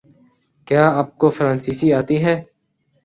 کیا اپ کو فرانسیسی آتی ہے؟